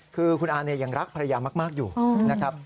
คือคุณอาเนี่ยยังรักภรรยามากอยู่นะครับ